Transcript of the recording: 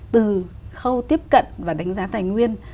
từ khâu tiếp cận và đánh giá tài nguyên